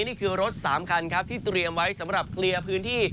นี่คือรถ๓คันครับที่เตรียมไว้สำหรับเคลียร์พื้นที่